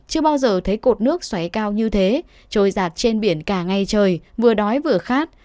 chưa bao giờ thấy cột nước xoáy cao như thế trôi giạt trên biển cả ngày trời vừa đói vừa khát